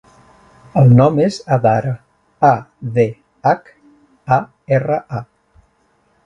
El nom és Adhara: a, de, hac, a, erra, a.